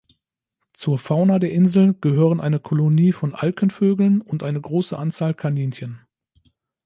Zur Fauna der Insel gehören eine Kolonie von Alkenvögeln und eine große Anzahl Kaninchen.